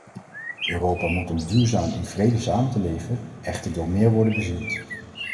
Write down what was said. Europa moet om duurzaam in vrede samen te leven echter door meer worden bezield.